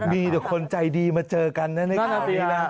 มีแต่คนใจดีมาเจอกันนะในข่าวนี้นะ